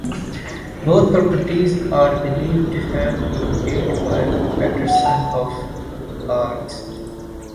Both properties are believed to have been built by Paterson of Largs.